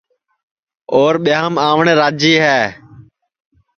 اور ٻیاںم آوٹؔے راجی ہے